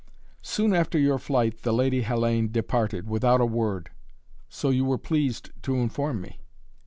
"Soon after your flight the Lady Hellayne departed, without a word." "So you were pleased to inform me."